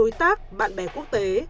người tác bạn bè quốc tế